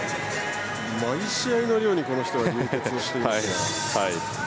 毎試合のようにこの人は流血をしていますが。